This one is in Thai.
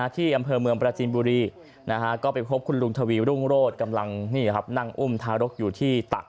ที่อำเภอเมืองปราจินบุรีก็ไปพบคุณลุงทวีรุ่งโรศกำลังนั่งอุ้มทารกอยู่ที่ตัก